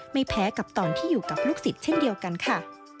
ไม่แพ้กับตอนที่อยู่กับลูกศิษย์เช่นเดียวกันค่ะ